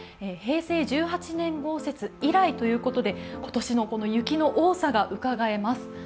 平成１８年豪雪以来ということで今年の雪の多さがうかがえます。